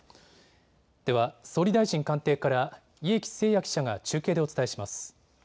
では総理大臣官邸から家喜誠也記者が中継でお伝えします。